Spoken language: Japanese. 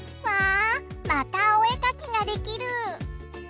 またお絵描きができる！